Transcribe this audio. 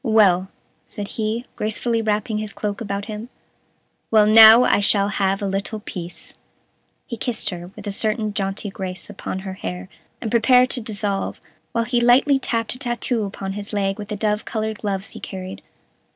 "Well," said he, gracefully wrapping his cloak about him, "well, now I shall have a little peace." He kissed her, with a certain jaunty grace, upon her hair, and prepared to dissolve, while he lightly tapped a tattoo upon his leg with the dove colored gloves he carried.